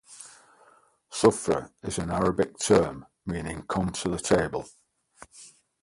Sufra is an Arabic term meaning "Come to the table".